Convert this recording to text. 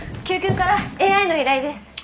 救急からＡｉの依頼です。